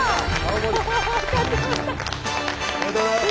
おめでとうございます。